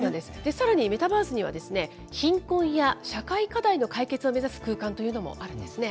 さらに、メタバースには、貧困や社会課題の解決を目指す空間というのもあるんですね。